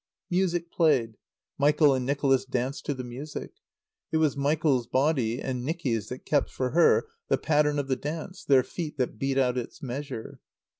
Music played. Michael and Nicholas danced to the music. It was Michael's body and Nicky's that kept for her the pattern of the dance, their feet that beat out its measure.